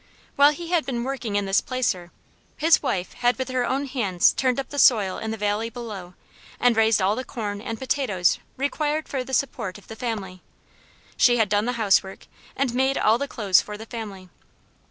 While he had been working in this placer, his wife had with her own hands turned up the soil in the valley below and raised all the corn and potatoes required for the support of the family; she had done the housework, and had made all the clothes for the family.